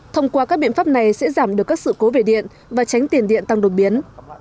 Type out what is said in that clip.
thông qua các biện pháp này sẽ giảm được các sự cố về điện và tránh tiền điện tăng đột biến